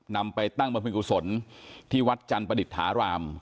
นำไปตั้งใบบินกุศลที่วัดจันตร์ประดิษฐรามาร์ค